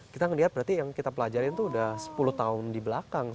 kita ngelihat berarti yang kita pelajarin itu udah sepuluh tahun di belakang